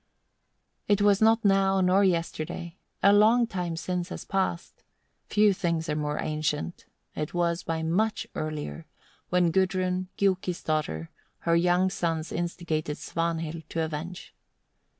2. It was not now, nor yesterday, a long time since has passed away, few things are more ancient, it was by much earlier when Gudrun, Giuki's daughter, her young sons instigated Svanhild to avenge.